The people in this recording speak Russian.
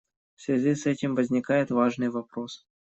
В связи с этим возникает важный вопрос.